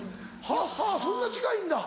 はっはぁそんな近いんだ。